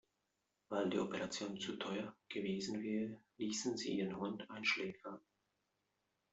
Weil die Operation zu teuer gewesen wäre, ließen sie ihren Hund einschläfern.